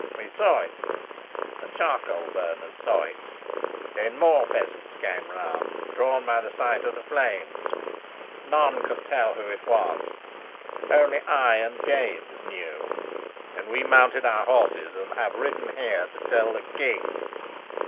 We saw it; the charcoal burners saw it. Then more peasants came round, drawn by the sight of the flames. None could tell who it was; only I and James knew. And we mounted our horses and have ridden here to tell the king."